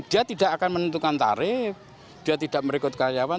dia tidak akan menentukan tarif dia tidak merekrut karyawan